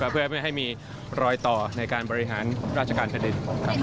เพื่อไม่ให้มีรอยต่อในการบริหารราชการแผ่นดินครับ